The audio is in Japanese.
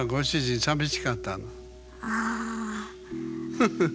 フフフフ！